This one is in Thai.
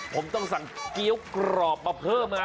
ผมต้องสั่งเกี้ยวกรอบมาเพิ่มนะ